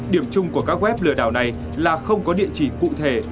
điểm chung của các web lừa đảo này là không có địa chỉ cụ thể